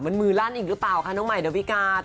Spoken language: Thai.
มันมือร่านอีกหรือเปล่าคะ